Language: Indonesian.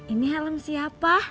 ini helm siapa